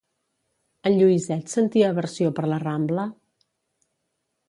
En Lluïset sentia aversió per la Rambla?